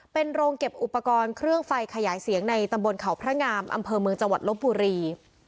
เป็นโรงเก็บอุปกรณ์เครื่องไฟขยายเสียงในตำบลเขาพระงามอำเภอเมืองจังหวัดลบบุรี